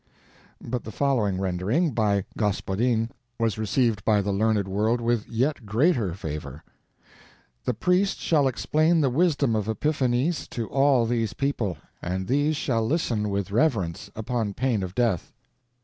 But the following rendering, by Gospodin, was received by the learned world with yet greater favor: The priest shall explain the wisdom of Epiphanes to all these people, and these shall listen with reverence, upon pain of death.